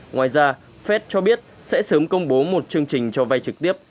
ngoài ra fed cho biết sẽ sớm công bố một chương trình cho vay trực tiếp